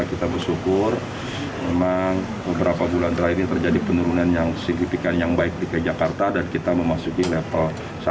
kita bersyukur memang beberapa bulan terakhir ini terjadi penurunan yang signifikan yang baik dki jakarta dan kita memasuki level satu